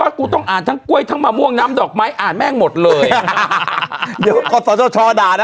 กูต้องอ่านทั้งกล้วยทั้งมะม่วงน้ำดอกไม้อ่านแม่งหมดเลยอ่าเดี๋ยวขอสชด่านะ